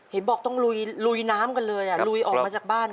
เห็นบอกต้องลุยน้ำกันเลยลุยออกมาจากบ้าน